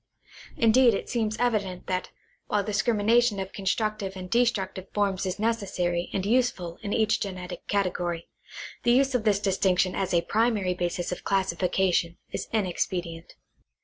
Indeed it seems evident that while discrimination of constructive and destructive forms is necessary and useful in each genetic cate gory, the use of this distinction as a primary basis of classifi cation is inexpedient.